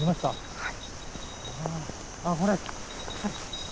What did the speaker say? はい。